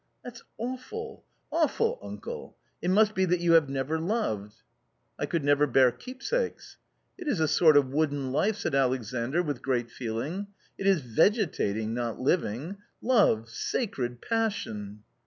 "That's awful — awful, uncle ! It must be that you have never loved/' " I could never bear keepsakes." " It is a sort of wooden life !" said Alexandr, with great feeling. " It is vegetating, not living ! Love — sacred passion